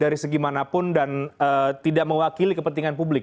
dari segimanapun dan tidak mewakili kepentingan publik